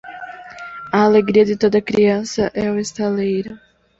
A alegria de toda criança é o estaleiro.